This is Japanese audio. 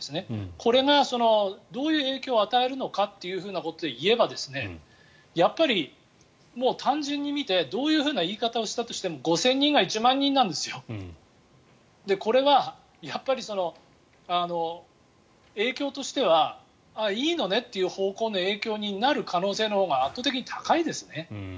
これがどういう影響を与えるのかということでいえばやっぱり単純に見てどういう言い方をしたとしても５０００人が１万人なんですよ。これはやっぱり影響としてはあ、いいのねという方向の影響になる可能性のほうが圧倒的に高いですね。